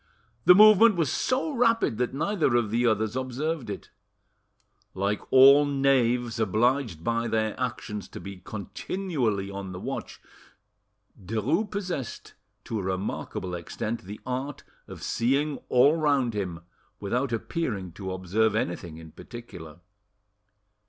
The movement was so rapid that neither of the others observed it. Like all knaves, obliged by their actions to be continually on the watch, Derues possessed to a remarkable extent the art of seeing all round him without appearing to observe anything in particular.